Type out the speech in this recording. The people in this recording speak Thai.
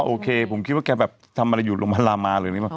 อ๋อโอเคผมคิดว่าแกแบบทำอะไรอยู่ลงมารามาเลย